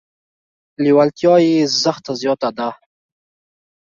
لیوالتیا یې زښته زیاته ده.